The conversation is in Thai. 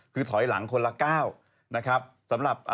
ก็คือถอยหลังคนละเจ้าครับ